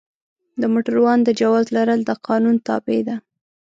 د موټروان د جواز لرل د قانون تابع ده.